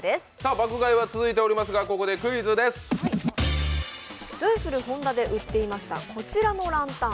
爆買いは続いておりますが、ジョイフル本田で売っていたこちらのランタン。